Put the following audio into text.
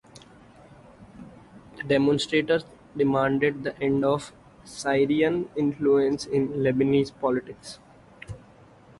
The demonstrators demanded the end of the Syrian influence in Lebanese politics.